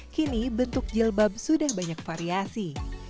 kini bentuk jilbab sudah banyak variasi